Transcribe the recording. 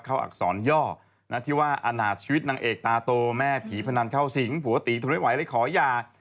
อักษรย่อที่ว่าอาณาจชีวิตนางเอกตาโตแม่ผีพนันเข้าสิงผัวตีทนไม่ไหวเลยขอหย่า